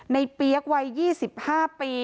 เปี๊ยกวัย๒๕ปี